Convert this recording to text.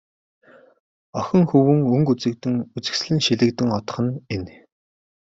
Охин хөвүүн өнгө үзэгдэн, үзэсгэлэн шилэгдэн одох нь энэ.